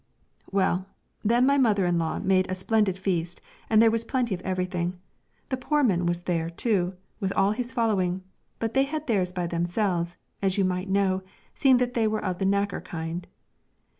"Well, then my mother in law made a splendid feast, and there was plenty of everything. The Poorman was there, too, with all his following; but they had theirs by themselves, as you might know, seeing that they were of the knacker kind.